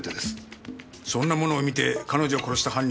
そんなものを見て彼女を殺した犯人がわかるのか？